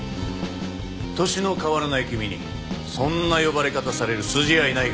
年の変わらない君にそんな呼ばれ方される筋合いないが。